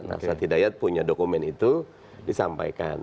nah ustadz hidayat punya dokumen itu disampaikan